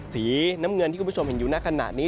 สีน้ำเงินที่คุณผู้ชมเห็นอยู่ในขณะนี้